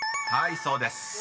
［はいそうです］